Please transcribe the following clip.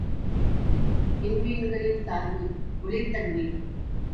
விண்மீன்களின் சார்பு ஒளிர்த்தன்மை.